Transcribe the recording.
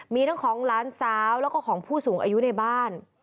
มีทั้งของหลานสาวแล้วก็ของผู้สูงอายุในบ้าน